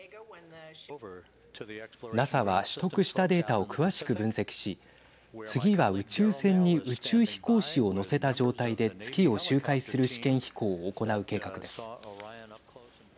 ＮＡＳＡは取得したデータを詳しく分析し次は宇宙船に宇宙飛行士を乗せた状態で月を周回する試験飛行を行う計画です。